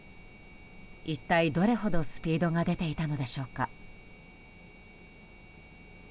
一体どれほどスピードが出ていたのでしょうか。